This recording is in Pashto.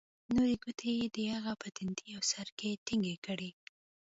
نورې گوتې يې د هغه په تندي او سر کښې ټينگې کړې.